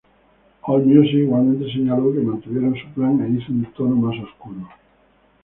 Allmusic igualmente señaló que "mantuvieron su plan e hizo un tono más oscuro.